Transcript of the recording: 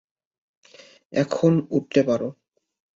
এখন উঠতে পার।